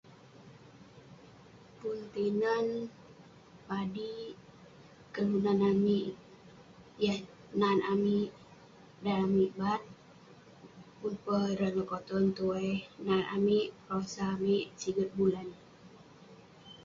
Pun tinen, padik, kelunan amik yah nat amik dalam amik baat. Pun peh ireh lekoton tuai, nat amik, perosa amik, siget bulan.